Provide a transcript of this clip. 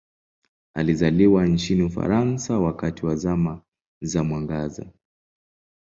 Alizaliwa nchini Ufaransa wakati wa Zama za Mwangaza.